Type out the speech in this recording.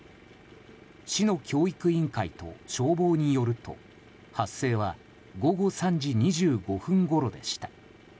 市の教育委員会と消防によると発生は午後３時２５分ごろでした。